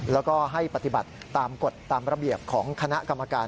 แล้วก็ให้ปฏิบัติตามกฎตามระเบียบของคณะกรรมการ